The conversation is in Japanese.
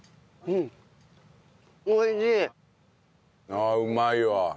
ああうまいわ。